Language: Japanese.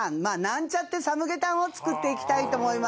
なんちゃって参鶏湯を作っていきたいと思います。